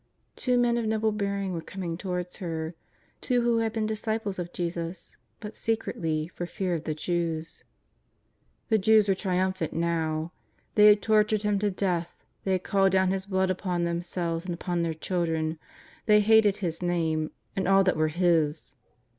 Two men of noble bearing were coming towards her, two who had been disciples of Jesus, but secretly for fear of the Jews. The Jews were trium phant now. They had tortured Him to death, they had called down His blood upon themselves and upon their children, they hated His Name and all that were His.